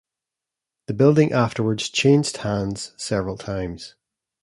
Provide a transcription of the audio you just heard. The building afterwards changed hands several times.